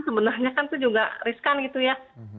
sebenarnya kan itu juga riskan gitu ya